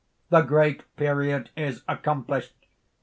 The great period is accomplished!